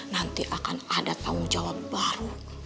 nanti akan ada tanggung jawab baru